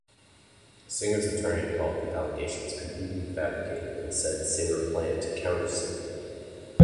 Singer's attorney called the allegations "completely fabricated" and said Singer planned to countersue.